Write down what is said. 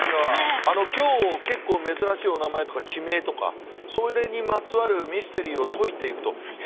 今日結構珍しいお名前とか地名とかそれにまつわるミステリーを解いていくと「え？